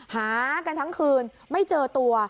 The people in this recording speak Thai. หากันทั้งคืนไม่เจอตัว